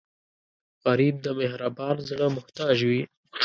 غریب د مهربان زړه محتاج وي